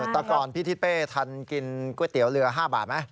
แต่ก่อนพี่ทิศเป้ทันกินก๋วยเตี๋ยวเรือ๕บาทไหม